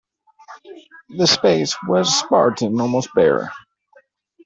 The space was spartan, almost bare.